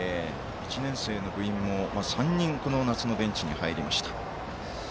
１年生の部員も３人この夏のベンチに入りました。